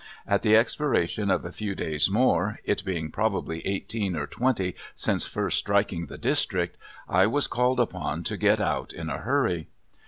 At the expiration of a few days more, it being probably eighteen or twenty since first striking the district, I was called upon to get out in a hurry.